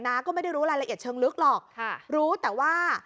นะก็ไม่ได้รู้รายละเอียดเชิงลึกหรอกค่ะรู้แต่ว่า